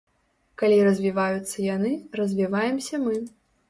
Калі развіваюцца яны, развіваемся мы.